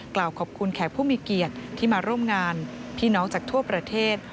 กล่าวขอบคุณแขกผู้มีเกียรติที่มาร่วมงานพี่น้องจากทั่วประเทศ